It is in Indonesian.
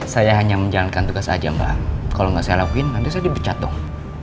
saya hanya menjalankan tugas aja mbak kalau nggak saya lakuin nanti saya dipecat dong